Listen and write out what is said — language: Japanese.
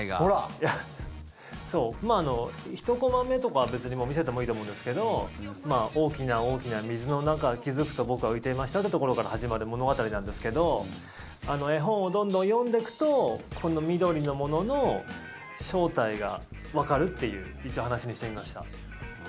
１コマ目とかは別に見せてもいいと思うんですけどおおきなおおきな水の中気付くとボクは浮いていましたってところから始まる物語なんですけど絵本をどんどん読んでいくとこの緑のものの正体がわかるっていう話にしてみました。